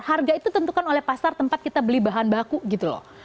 harga itu tentukan oleh pasar tempat kita beli bahan baku gitu loh